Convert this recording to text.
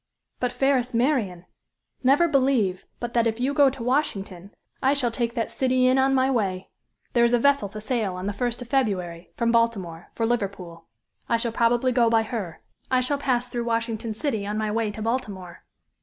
"But fairest Marian, never believe but that if you go to Washington, I shall take that city in on my way. There is a vessel to sail on the first of February, from Baltimore, for Liverpool. I shall probably go by her. I shall pass through Washington City on my way to Baltimore.